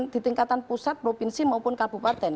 di tingkatan pusat provinsi maupun kabupaten